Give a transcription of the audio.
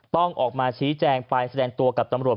ต้องออกมาชี้แจงไปแสดงตัวกับตำรวจ